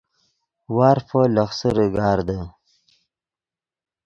وارفو لخسرے گاردے